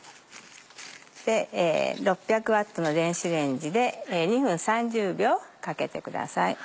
６００Ｗの電子レンジで２分３０秒かけてください。